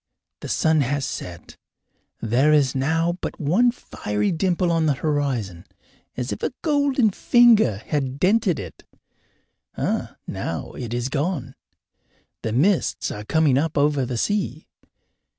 The sun has set; there is now but one fiery dimple on the horizon, as if a golden finger had dented it now it is gone; the mists are coming up over the sea.